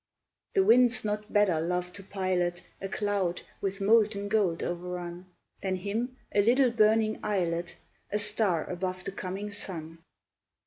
The winds not better love to pilot A cloud with molten gold o'errun, Than him, a little burning islet, A star above the coming sun.